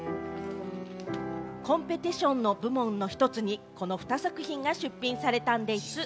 コンペティション部門のひとつにこの２作品が出品されたんでぃす。